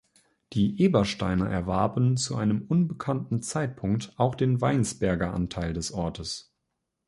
Die Ebersteiner erwarben zu einem unbekannten Zeitpunkt auch den Weinsberger Anteil des Ortes.